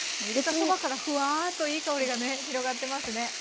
入れたそばからふわっといい香りがね広がってますね。